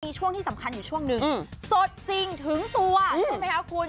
มีช่วงที่สำคัญอยู่ช่วงหนึ่งสดจริงถึงตัวใช่ไหมคะคุณ